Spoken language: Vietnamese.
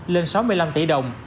lên sáu mươi năm tỷ đồng